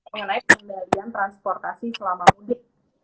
mengenai pengendalian transportasi selama mudik